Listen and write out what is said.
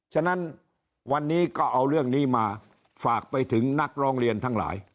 ฉะนั้นวันนี้ก็เอาเรื่องนี้มาฝากไปถึงนักร้องเรียนทั้งหลาย